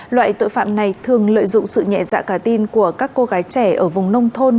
loại tội phạm này thường lợi dụng sự nhẹ dạ cả tin của các cô gái trẻ ở vùng nông thôn